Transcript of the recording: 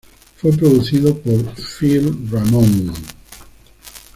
Fue producido por Phil Ramone.